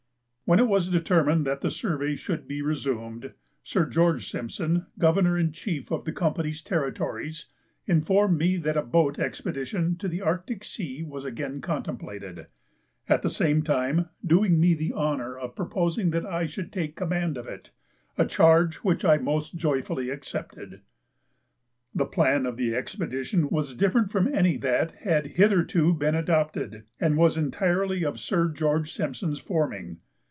When it was determined that the survey should be resumed, Sir George Simpson, Governor in Chief of the Company's territories, informed me that a boat expedition to the Arctic Sea was again contemplated, at the same time doing me the honour of proposing that I should take command of it, a charge which I most joyfully accepted. The plan of the expedition was different from any that had hitherto been adopted, and was entirely of Sir George Simpson's forming.